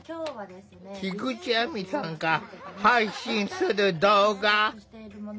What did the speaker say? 菊地亜美さんが配信する動画。